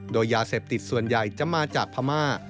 โดยยาเสพติดส่วนใหญ่จะมาจากพม่า